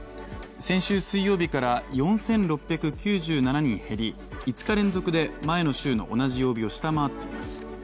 先週水曜日から４６９７人減り５日連続で前の週の同じ曜日を下回っています。